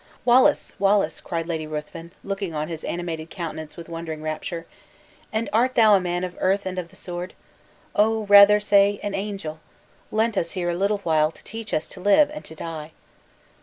"Wallace! Wallace," cried Lady Ruthven, looking on his animated countenance with wondering rapture; "and art thou a man of earth and of the sword? Oh! rather say, an angel; lent us here a little while to teach us to live and to die!"